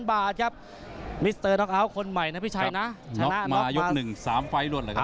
บาทครับมิสเตอร์ล็อกเอาท์คนใหม่นะพี่ชัยนะชนะมายก๑๓ไฟล์รวดเลยครับ